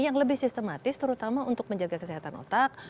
yang lebih sistematis terutama untuk menjaga kesehatan otak